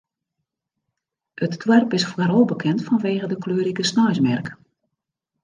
It doarp is foaral bekend fanwege de kleurrike sneinsmerk.